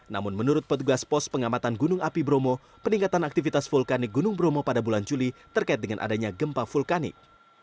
namun menurut petugas pos pengamatan gunung api bromo peningkatan aktivitas vulkanik gunung bromo pada bulan juli terkait dengan adanya gempa vulkanik